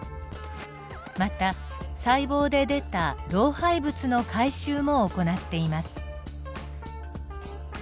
また細胞で出た老廃物の回収も行っています。